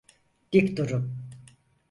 Dik durun.